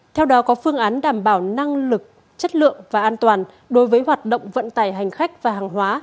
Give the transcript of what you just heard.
theo đó có phương án đảm bảo năng lực chất lượng và an toàn đối với hoạt động vận tải hành khách và hàng hóa